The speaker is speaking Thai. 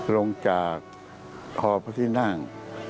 ลงจากฮอพระทินทรัง